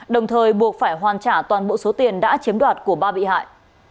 đồng thời buộc phải hoàn trả toàn bộ số tiền đã chiếm đoạt của ba bị hại